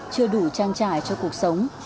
chưa đủ trang trải cho cuộc sống